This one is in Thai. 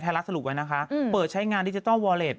ไทรลักษณ์สรุปไว้นะคะอืมเปิดใช้งานดิจิทัลวอเลส